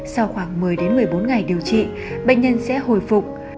sau khoảng một mươi một mươi bốn ngày điều trị bệnh nhân sẽ hồi phục